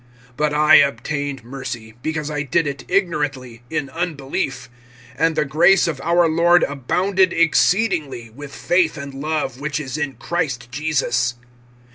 But I obtained mercy, because I did it ignorantly, in unbelief; (14)and the grace of our Lord abounded exceedingly, with faith and love which is in Christ Jesus.